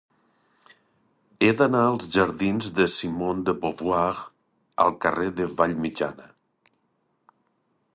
He d'anar dels jardins de Simone de Beauvoir al carrer de Vallmitjana.